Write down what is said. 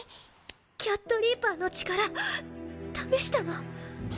キャットリーパーの力試したの。